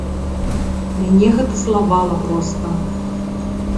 Мяне гэта злавала проста.